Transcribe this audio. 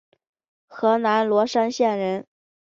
河南罗山县人。